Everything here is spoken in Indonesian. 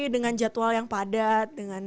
dengan jadwal yang padat dengan